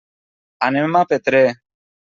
Anem a Petrer.